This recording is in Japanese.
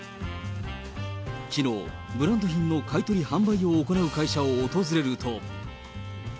きのう、ブランド品の買い取り・販売を行う会社を訪れると。